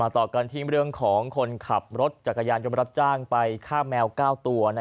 ต่อกันที่เรื่องของคนขับรถจักรยานยนต์รับจ้างไปฆ่าแมว๙ตัว